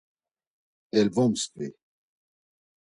Elvomsǩvi.